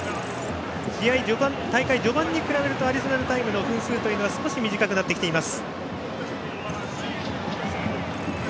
大会序盤に比べるとアディショナルタイムの分数は少し短くなってきています。